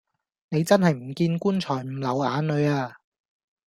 你真係唔見棺材唔流眼淚呀